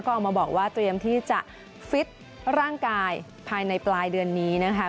ก็ออกมาบอกว่าเตรียมที่จะฟิตร่างกายภายในปลายเดือนนี้นะคะ